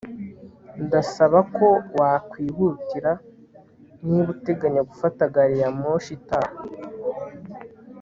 ndasaba ko wakwihutira niba uteganya gufata gari ya moshi itaha